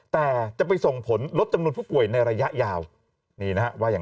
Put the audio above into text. แต่จะไปส่งผลลดจำนวนผู้ป่วยในระยะยาวนี่นะฮะว่าอย่าง